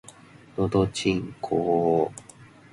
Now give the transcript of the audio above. のどちんこぉ